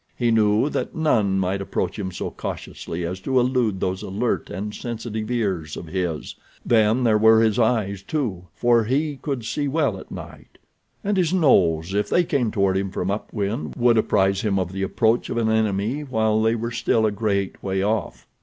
He knew that none might approach him so cautiously as to elude those alert and sensitive ears of his; then there were his eyes, too, for he could see well at night; and his nose, if they came toward him from up wind, would apprise him of the approach of an enemy while they were still a great way off.